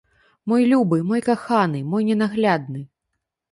Мой любы, мой каханы, мой ненаглядны!